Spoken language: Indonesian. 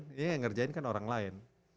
ini yang ngerjain kan orang lain